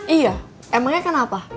iya emangnya kenapa